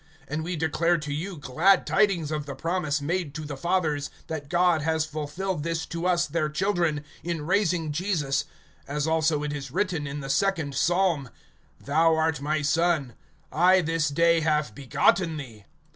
(32)And we declare to you glad tidings of the promise made to the fathers, (33)that God has fulfilled this to us their children, in raising Jesus; as also it is written in the second psalm[13:33]: Thou art my Son; I this day have begotten thee.